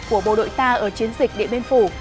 của bộ đội ta ở chiến dịch điện biên phủ